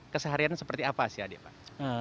kesehariannya seperti apa sih adik pak